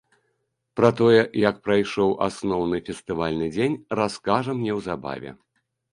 Пра тое, як прайшоў асноўны фестывальны дзень, раскажам неўзабаве.